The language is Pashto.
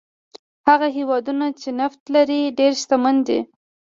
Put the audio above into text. هغه هېوادونه چې نفت لري ډېر شتمن دي.